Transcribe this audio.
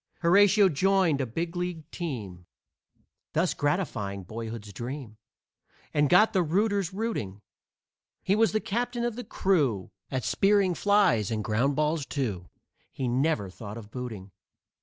Horatio joined a big league team, Thus gratifying boyhood's dream, And got the rooters rooting; He was the captain of the crew At spearing flies and ground balls, too; He never thought of booting.